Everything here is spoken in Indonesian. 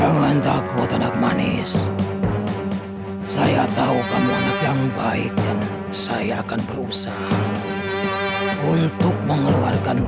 jangan takut anak manis saya tahu kamu anak yang baik dan saya akan berusaha untuk mengeluarkan